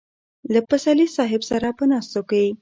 له پسرلي صاحب سره په ناستو کې.